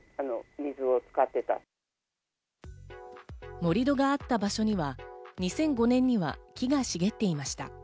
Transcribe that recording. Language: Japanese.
盛り土があった場所には２００５年には木が茂っていました。